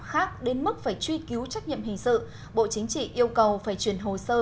khác đến mức phải truy cứu trách nhiệm hình sự bộ chính trị yêu cầu phải chuyển hồ sơ